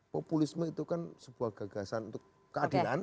populisme itu kan sebuah gagasan untuk keadilan